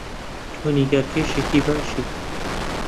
تۆ نیگارکێشێکی باشیت.